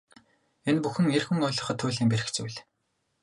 Энэ бүхэн эр хүн ойлгоход туйлын бэрх зүйл.